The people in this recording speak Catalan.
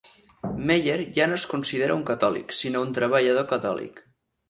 Meyer ja no es considera un catòlic, sinó un treballador catòlic.